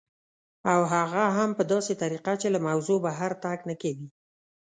او هغه هم په داسې طریقه چې له موضوع بهر تګ نه کوي